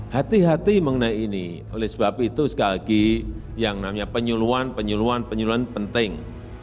hati hati mengenai ini oleh sebab itu sekali lagi yang namanya penyuluan penyuluan penyuluan penting